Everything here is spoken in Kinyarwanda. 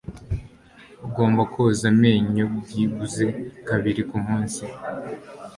Ugomba koza amenyo byibuze kabiri kumunsi.